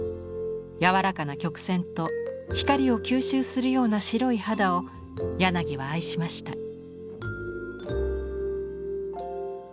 やわらかな曲線と光を吸収するような白い肌を柳は愛しました。